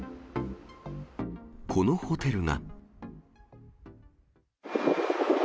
このホテルが。